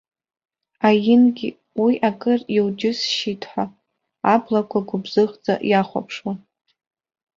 Аингьы, уи акыр иуџьысшьеит ҳәа, аблақәа гәыбзыӷӡа иахәаԥшуан.